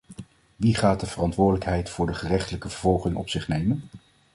Wie gaat de verantwoordelijkheid voor de gerechtelijke vervolging op zich nemen?